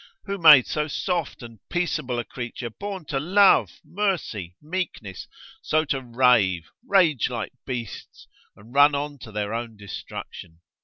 Who made so soft and peaceable a creature, born to love, mercy, meekness, so to rave, rage like beasts, and run on to their own destruction?